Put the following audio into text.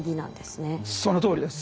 そのとおりです。